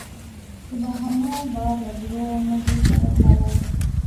پر بهانو بار له دروغو نه دې ځار لالیه